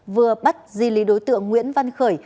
vừa bắt di lý đối tượng nguyễn văn khờn